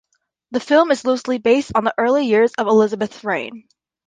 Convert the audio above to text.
The film is loosely based on the early years of Elizabeth's reign.